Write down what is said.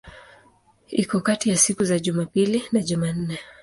Iko kati ya siku za Jumapili na Jumanne.